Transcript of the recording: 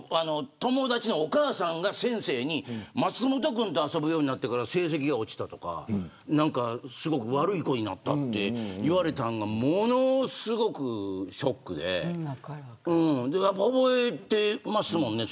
友達のお母さんが先生に松本君と遊ぶようになってから成績が落ちたとかすごく悪い子になったって言われたのがものすごくショックで覚えてますもんね。